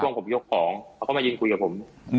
กล้องผมยกของเขาเข้ามายิงคุยกับผม